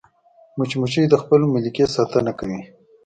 مچمچۍ د خپل ملکې ساتنه کوي